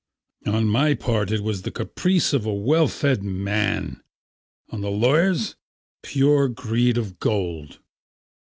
On my part, it was the caprice of a well fed man; on the lawyer's pure greed of gold."